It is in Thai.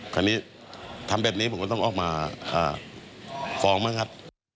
คราวนี้ทำแบบนี้ผมก็ต้องออกมาฟ้องบ้างครับ